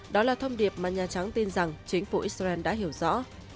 đó là thông điệp mà nhà trắng tin rằng chính phủ israel đã hiểu rõ